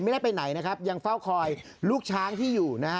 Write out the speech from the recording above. ไม่ได้ไปไหนนะครับยังเฝ้าคอยลูกช้างที่อยู่นะฮะ